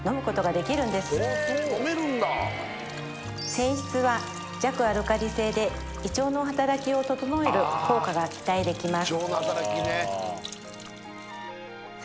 泉質は弱アルカリ性で胃腸の働きを整える効果が期待できます